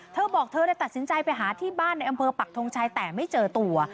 เธอบอกเธอเลยตัดสินใจไปหาที่บ้านในอำเภอปักทงชัยแต่ไม่เจอตัว